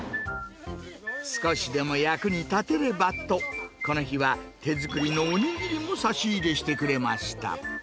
少しでも役に立てればと、この日は手作りのお握りも差し入れしてくれました。